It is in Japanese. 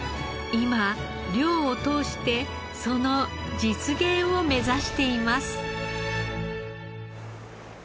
今漁を通してその実現を目指しています。